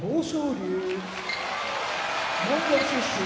龍モンゴル出身